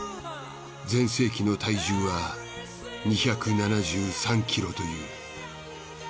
全盛期の体重は２７３キロという。